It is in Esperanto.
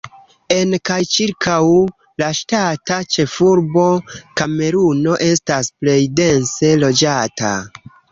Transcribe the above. En kaj ĉirkaŭ la ŝtata ĉefurbo Kameruno estas plej dense loĝata.